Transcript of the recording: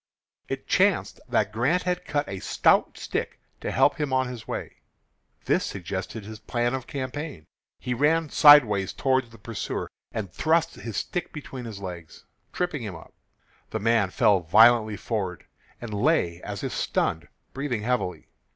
It chanced that Grant had cut a stout stick to help him on his way. This suggested his plan of campaign. He ran sideways toward the pursuer, and thrust his stick between his legs, tripping him up. The man fell violently forward, and lay as if stunned, breathing heavily.